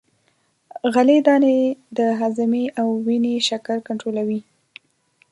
غلې دانې د هاضمې او وینې شکر کنترولوي.